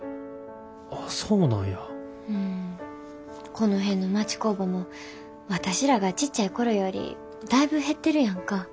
この辺の町工場も私らがちっちゃい頃よりだいぶ減ってるやんか。